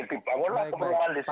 dibangunlah kemuliaan di situ